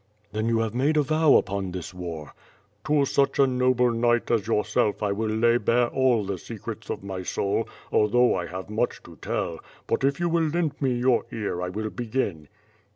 "Then you have made a vow upon this war?" "To such a noble knight as yourself I will lay bare all the secrets of my soul although T have much to tell; but if you will lend me your ear, I will begin.